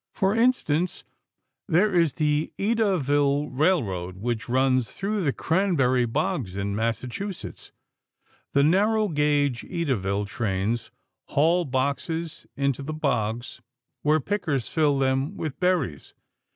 For instance, there is the Edaville Railroad which runs through the cranberry bogs in Massachusetts. The narrow gauge Edaville trains haul boxes into the bogs where pickers fill them with berries.